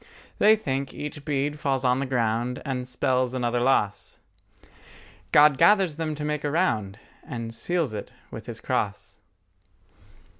They think each bead falls on the ground And spells another loss: God gathers them to make a round And seals it with His cross.